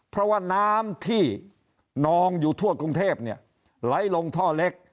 เพราะว่าน้ำที่นองอยู่ทั่วกรุงเทพไหลลงท่อเล็ก